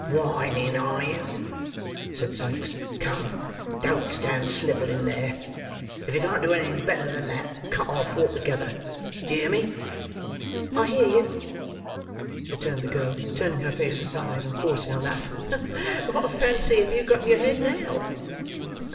"Whining are you?" said Sikes. "Come! Don't stand snivelling there. If you can't do anything better than that, cut off altogether. D'ye hear me?" "I hear you," replied the girl, turning her face aside, and forcing a laugh. "What fancy have you got in your head now?"